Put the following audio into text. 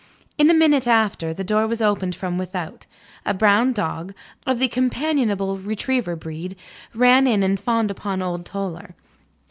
In a minute after, the door was opened from without. A brown dog, of the companionable retriever breed, ran in and fawned upon old Toller.